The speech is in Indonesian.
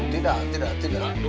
tidak tidak tidak